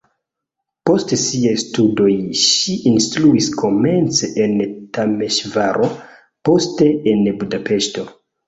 Post siaj studoj ŝi instruis komence en Temeŝvaro, poste en Budapeŝto.